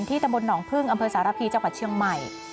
ตะบนหนองพึ่งอำเภอสารพีจังหวัดเชียงใหม่